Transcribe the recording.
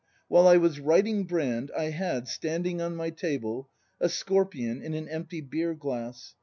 "While I was writing Brand I had, standing on my table, a scorpion in an empty beer glass.